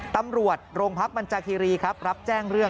ตำรวจโรงพักบรรจาคิรีครับรับแจ้งเรื่อง